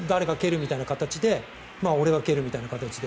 みたいな形で俺が蹴るみたいな形で。